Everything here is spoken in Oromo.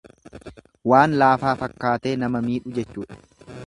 Waan laafaa fakkaatee nama miidhu jechuudha.